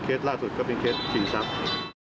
เคสล่าสุดก็เป็นเคส๔ทรัพย์